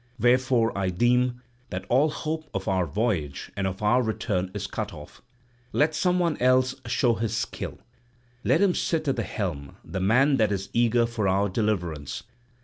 Wherefore I deem that all hope of our voyage and of our return is cut off. Let someone else show his skill; let him sit at the helm the man that is eager for our deliverance.